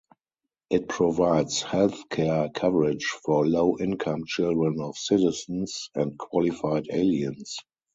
It provides health care coverage for low-income children of citizens and qualified aliens.